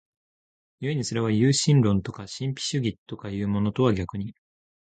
故にそれは唯心論とか神秘主義とかいうものとは逆に、